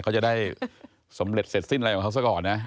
เขาจะได้สำเร็จเสร็จสิ้นอะไรของเขาซะก่อนนะ